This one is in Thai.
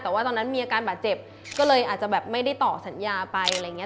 แต่ว่าตอนนั้นมีอาการบาดเจ็บก็เลยอาจจะแบบไม่ได้ต่อสัญญาไปอะไรอย่างนี้